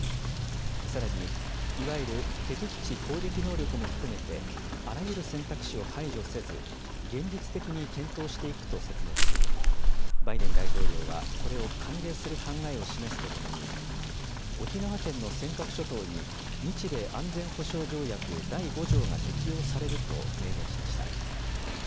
さらにいわゆる敵基地攻撃能力も含めて、あらゆる選択肢を排除せず、現実的に検討していくと説明し、バイデン大統領はこれを歓迎する考えを示すとともに、沖縄県の尖閣諸島に日米安全保障条約第５条が適用されると明言しました。